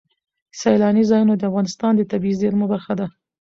سیلانی ځایونه د افغانستان د طبیعي زیرمو برخه ده.